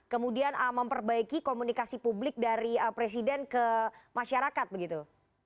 kemudian memperbaiki komunikasi publik dari presiden ke masyarakat begitu